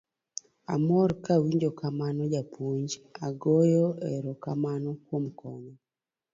Amor kawinjo kamano japuonj, agoyo ero kamano kuom konya.